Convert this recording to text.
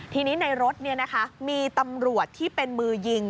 ทีนี้ในรถมีตำรวจที่เป็นมือยิง